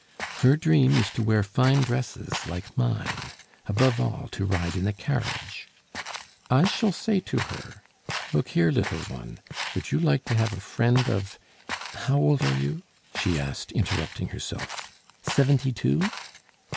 Her dream is to wear fine dresses like mine; above all, to ride in a carriage. I shall say to her, 'Look here, little one, would you like to have a friend of ' How old are you?" she asked, interrupting herself. "Seventy two?"